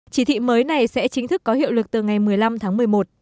chỉ thị mới này sẽ chính thức có hiệu lực từ ngày một mươi năm tháng một mươi một